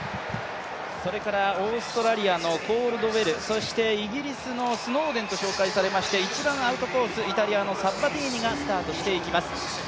それからオーストラリアのコールドウェル、そしてイギリスのスノーデンと紹介しまして、一番アウトコース、イタリアのサッバティーニがスタートしていきます。